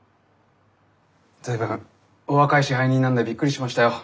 随分お若い支配人なんでびっくりしましたよ。